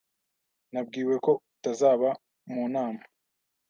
Nabwiwe ko utazaba mu nama.